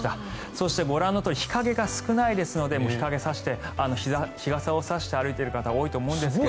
そしてご覧のとおり日陰が少ないので日傘を差して歩いている方多いと思うんですが。